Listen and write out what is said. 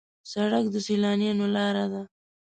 سړک د سیلانیانو لاره ده.